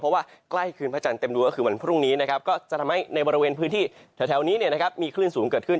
เพราะว่าใกล้คืนพระจันทร์เต็มดวงก็คือวันพรุ่งนี้นะครับก็จะทำให้ในบริเวณพื้นที่แถวนี้มีคลื่นสูงเกิดขึ้น